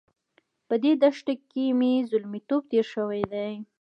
په دې دښته کې مې زلميتوب تېر شوی دی.